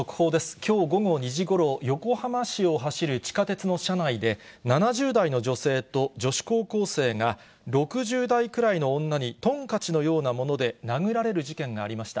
きょう午後２時ごろ、横浜市を走る地下鉄の車内で、７０代の女性と女子高校生が、６０代くらいの女に、とんかちのようなもので殴られる事件がありました。